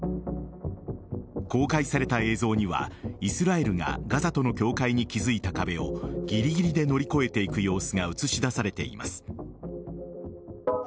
公開された映像にはイスラエルがガザとの境界に築いた壁をぎりぎりで乗り越えていく様子が映し出されています。